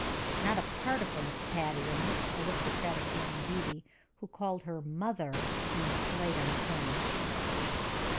Not a particle of Patty in this aristocratic young beauty, who called her "mother" in a slighting tone.